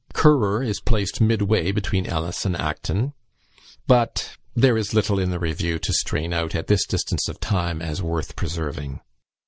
Currer is placed midway between Ellis and Acton. But there is little in the review to strain out, at this distance of time, as worth preserving.